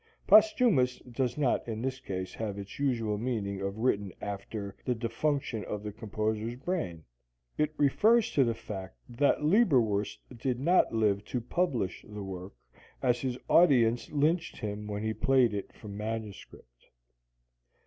("Posthumous" does not in this case have its usual meaning of written after the defunction of the composer's brain: it refers to the fact that Leberwurst did not live to publish the work, as his audience lynched him when he played it from manuscript.)